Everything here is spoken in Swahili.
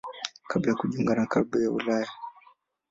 kabla ya kujiunga na klabu ya Ulaya.